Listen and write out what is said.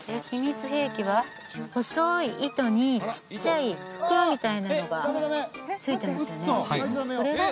秘密兵器は細い糸にちっちゃい袋みたいなのがついてますよね